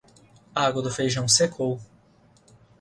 A água do feijão secou.